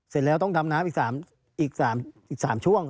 เสร็จแล้วต้องดำน้ำอีก๓ช่วง